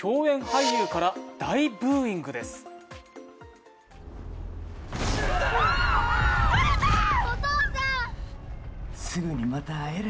俳優から大ブーイングです。